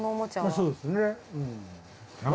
そうですね。